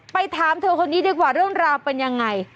ถามเธอคนนี้ดีกว่าเรื่องราวเป็นยังไง